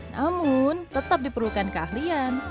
namun tetap diperlukan keahlian